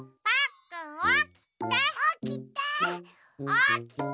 おきて！